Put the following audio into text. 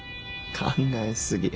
考え過ぎや。